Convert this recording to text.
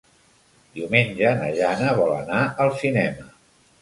Diumenge na Jana vol anar al cinema.